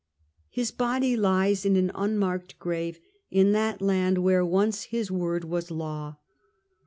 His body lies in an unmarked grave, in that land where once his word was law.